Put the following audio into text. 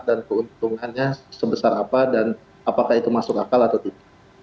dan keuntungannya sebesar apa dan apakah itu masuk akal atau tidak